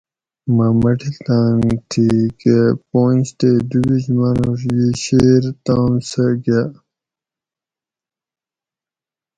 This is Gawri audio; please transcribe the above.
مہ مٹلتان تھی کہ پونج تے دوبیش مانوڄ ییشیر تام سہ گاۤ